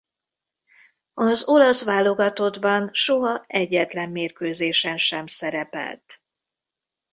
Az olasz válogatottban soha egyetlen mérkőzésen sem szerepelt.